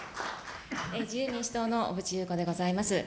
自由民主党の小渕優子でございます。